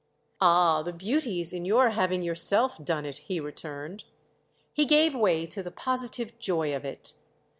"Ah, the beauty's in your having yourself done it!" he returned. He gave way to the positive joy of it.